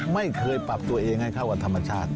ไม่เคยปรับตัวเองให้เข้ากับธรรมชาติ